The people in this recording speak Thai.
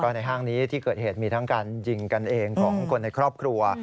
ในห้างนี้ที่เกิดเหตุมีทั้งการยิงกันเองของคนในครอบครัว